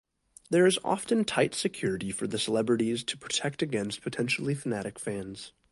There is often tight security for the celebrities to protect against potentially fanatic fans.